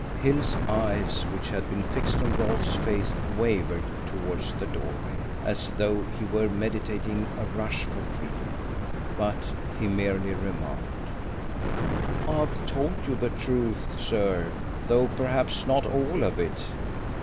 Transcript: Hill's eyes, which had been fixed on Rolfe's face, wavered towards the doorway, as though he were meditating a rush for freedom. But he merely remarked: "I've told you the truth, sir, though perhaps not all of it.